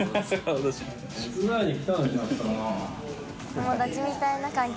友達みたいな関係。